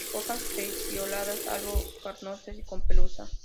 Hojas pecioladas, algo carnosas y con pelusa.